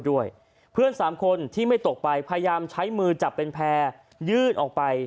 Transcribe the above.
ด้วยเพื่อนสามคนที่ไม่ตกไปพยายามใช้มือจับเป็นแพร่ยืดออกไป